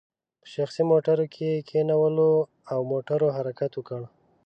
په شخصي موټرو کې یې کینولو او موټرو حرکت وکړ.